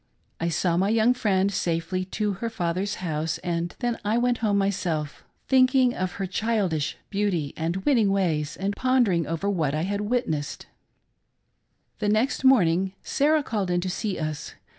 I saw my young friend safely to her father's house, and then I went home myself, thinking of her childish beauty and winning ways, and pondering over what I had wit nessed. The next morning Sarah called in to see us.